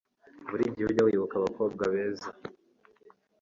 buri gihe ujye wibuka abakobwa beza